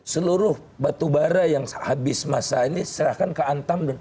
seluruh batubara yang habis masa ini serahkan ke antam